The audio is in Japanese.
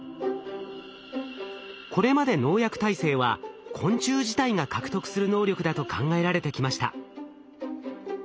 これまで農薬耐性は昆虫自体が獲得する能力だと考えられてきました。